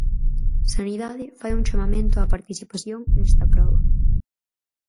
Sanidade fai un chamamento á participación nesta proba.